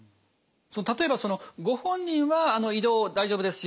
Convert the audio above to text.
例えばご本人は移動大丈夫ですよ